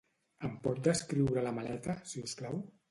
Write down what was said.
Em pot descriure la maleta, si us plau?